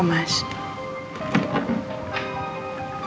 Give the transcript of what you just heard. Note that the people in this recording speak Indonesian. kamu yang kenapa